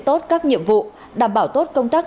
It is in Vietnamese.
tốt các nhiệm vụ đảm bảo tốt công tác